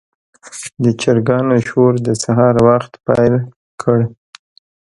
د چرګانو شور د سهار وخت پیل کړ.